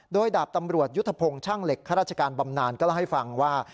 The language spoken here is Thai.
โดยดาบตำรวจยุทธพงศ์ช่างเหล็กข้าราชการบำนานก็เล่าให้ฟังว่า